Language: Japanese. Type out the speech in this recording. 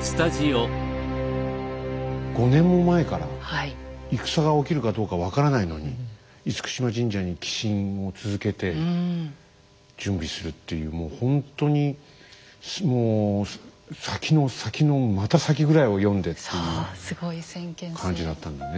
５年も前から戦が起きるかどうか分からないのに嚴島神社に寄進を続けて準備するっていうもうほんとにもう先の先のまた先ぐらいを読んでっていう感じだったんだね。